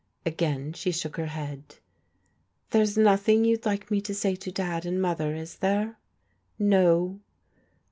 Again she shook her head. '* There's nothing you'd like me to say to Dad and Mother, is there?" " No."